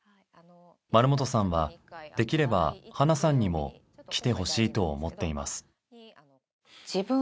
丸本さんはできればハナさんにも来てほしいと思っています。